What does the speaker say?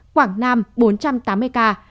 quảng nam bốn trăm tám mươi ca